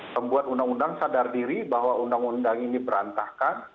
pembuat undang undang sadar diri bahwa undang undang ini berantakan